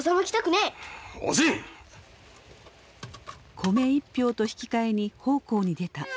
米一俵と引き換えに奉公に出た。